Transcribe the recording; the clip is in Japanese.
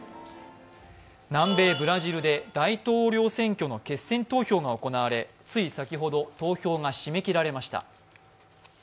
南米ブラジルで大統領選挙の決選投票が行われつい先ほど投票が締め切られました。